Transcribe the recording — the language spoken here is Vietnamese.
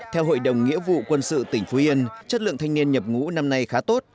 theo hội đồng nghĩa vụ quân sự tỉnh phú yên chất lượng thanh niên nhập ngũ năm nay khá tốt